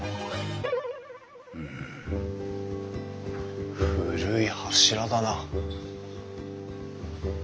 うむ古い柱だな。